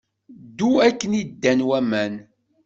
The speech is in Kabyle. Ddu akken i ddan waman.